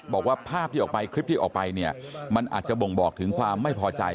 บอกว่าภาพที่ออกไปคลิปที่ออกไปเนี่ยมันอาจจะบ่งบอกถึงความไม่พอใจ